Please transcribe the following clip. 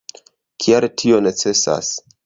Kial tio necesas?